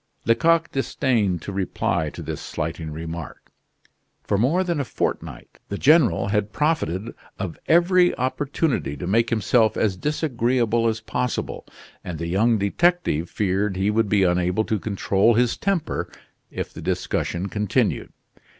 Lecoq disdained to reply to this slighting remark. For more than a fortnight the General had profited of every opportunity to make himself as disagreeable as possible, and the young detective feared he would be unable to control his temper if the discussion continued.